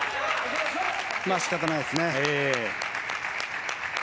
仕方ないですね。